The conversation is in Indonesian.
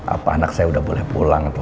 apa anak saya udah boleh pulang tuh